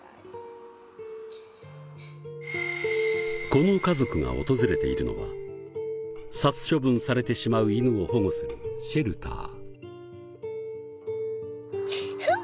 この家族が訪れているのは殺処分されてしまう犬を保護するシェルター。